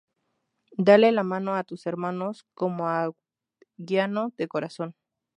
Dale la mano a tus hermanos, como anguiano de corazón.